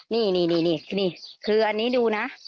นี่คืออันนี้ดูนะ